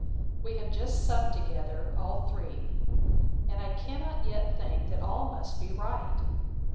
We have just supped together, all three: and I cannot yet think that all must be right.